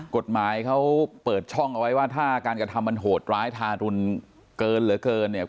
กฎหมายเขาเปิดช่องเอาไว้ว่าถ้าการกระทำมันโหดร้ายทารุณเกินเหลือเกินเนี่ย